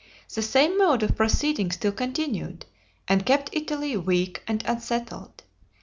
The same mode of proceeding still continued, and kept Italy weak and unsettled.